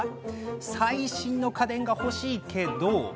最新の家電が欲しいけど。